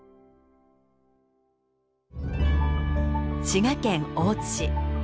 滋賀県大津市。